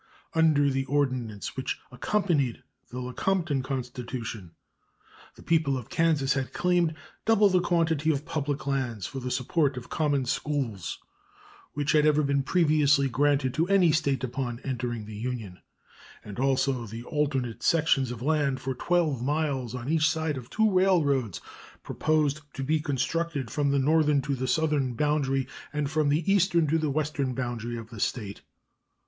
Under the ordinance which accompanied the Lecompton constitution the people of Kansas had claimed double the quantity of public lands for the support of common schools which had ever been previously granted to any State upon entering the Union, and also the alternate sections of land for 12 miles on each side of two railroads proposed to be constructed from the northern to the southern boundary and from the eastern to the western boundary of the State.